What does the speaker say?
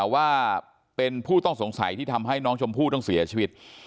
ว่าเป็นผู้ต้องสงสัยที่ทำให้น้องชมพู่ต้องเสียชีวิต